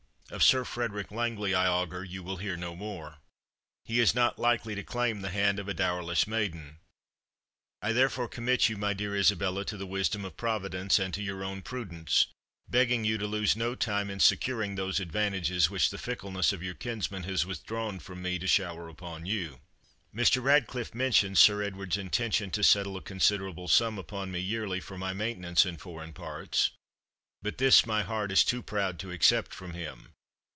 Of Sir Frederick Langley, I augur, you will hear no more. He is not likely to claim the hand of a dowerless maiden. I therefore commit you, my dear Isabella, to the wisdom of Providence and to your own prudence, begging you to lose no time in securing those advantages, which the fickleness of your kinsman has withdrawn from me to shower upon you. "Mr. Ratcliffe mentioned Sir Edward's intention to settle a considerable sum upon me yearly, for my maintenance in foreign parts; but this my heart is too proud to accept from him.